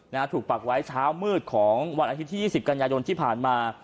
ถูกปักไว้เช้ามืดของวันอาทิตยี่สิบกันยายนที่ผ่านมา